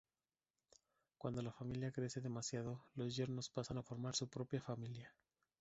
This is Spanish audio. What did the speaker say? Cuando la familia crece demasiado, los yernos pasan a formar su propia familia.